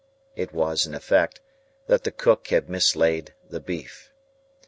It was, in effect, that the cook had mislaid the beef.